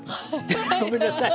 ごめんなさい。